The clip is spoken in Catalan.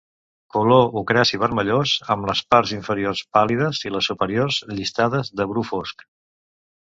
Color ocraci vermellós amb les parts inferiors pàl·lides i les superiors llistades de bru fosc.